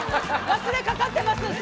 「忘れかかってます」